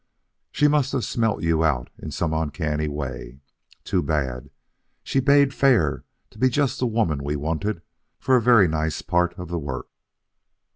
She must have smelt you out in some uncanny way. Too bad! She bade fair to be just the woman we wanted for a very nice part of the work."